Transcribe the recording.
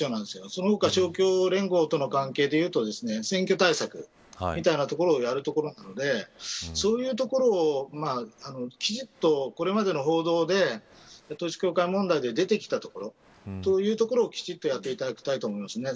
その他、連合との会見で言うと選挙対策みたいなことをやるところなのでそういうところをきちっと今までの報道で統一教会問題で出てきたところというところをきちっとやっていただきたいです。